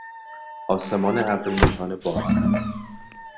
آسمان ابری نشان باران است.